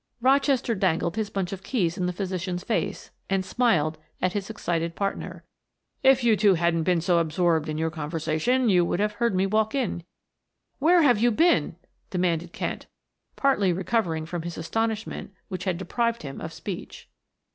Rochester dangled his bunch of keys in the physician's face and smiled at his excited partner. "If you two hadn't been so absorbed in your conversation you would have heard me walk in," he remarked. "Where have you been?" demanded Kent, partly recovering from his astonishment which had deprived him of speech.